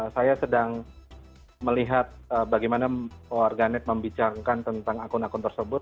saya sedang melihat bagaimana warganet membicarakan tentang akun akun tersebut